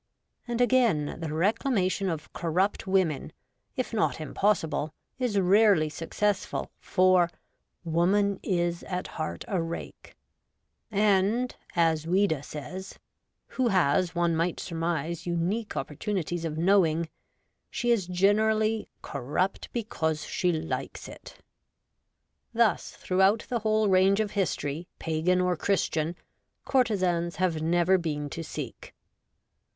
And, again, the reclamation of corrupt women, if not impossible, is rarely successful, for ' woman is at heart a rake,' and, as Ouida says, who has, one might surmise, unique opportunities of know ing, she is generally 'corrupt because she likes it.' Thus, throughout the whole range of history. Pagan or Christian, courtesans have never been to seek.